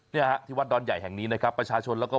มากันหลายวิธีใช่มากราบไหว้พระสามดี